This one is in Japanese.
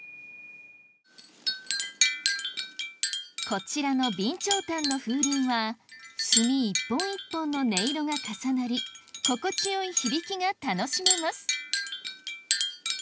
こちらの備長炭の風鈴は炭一本一本の音色が重なり心地よい響きが楽しめます